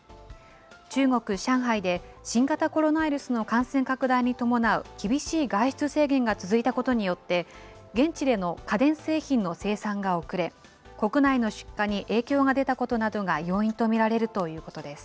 中国・上海で新型コロナウイルスの感染拡大に伴う厳しい外出制限が続いたことによって、現地での家電製品の生産が遅れ、国内の出荷に影響が出たことなどが要因と見られるということです。